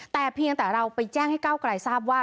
แต่เพียงแต่เราไปแจ้งให้ก้าวกลายทราบว่า